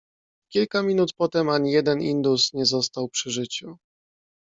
"W kilka minut potem ani jeden indus nie został przy życiu."